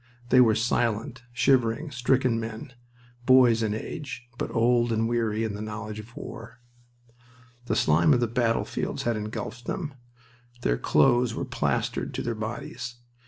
They were silent, shivering, stricken men; boys in age, but old and weary in the knowledge of war. The slime of the battlefields had engulfed them. Their clothes were plastered to their bodies.